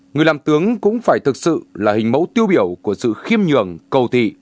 người làm tướng cũng phải thực sự là hình mẫu tiêu biểu của sự khiêm nhường cầu thị